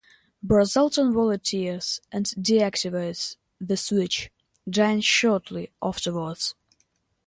Brazzelton volunteers and deactivates the switch, dying shortly afterwards.